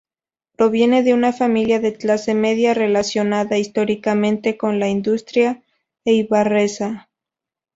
Proviene de una familia de clase media, relacionada históricamente con la industria eibarresa.